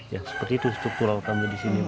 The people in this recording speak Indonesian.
ya seperti itu struktural kami disini